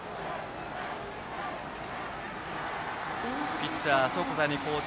ピッチャー即座に交代。